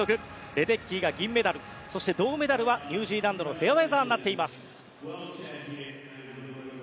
レデッキーが銀メダルそして、銅メダルはニュージーランドのフェアウェザーになっています。